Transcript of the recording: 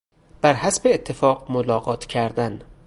بر حسب اتفاق ملاقات کردن